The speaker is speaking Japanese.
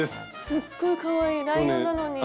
すっごいかわいいライオンなのに。